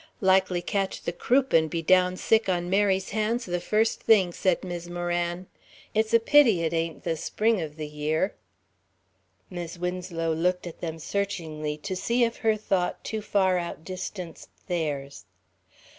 "Likely catch the croup and be down sick on Mary's hands the first thing," said Mis' Moran. "It's a pity it ain't the Spring of the year." Mis' Winslow looked at them searchingly to see if her thought too far outdistanced theirs.